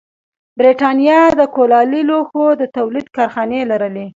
برېټانیا د کولالي لوښو د تولید کارخانې لرلې.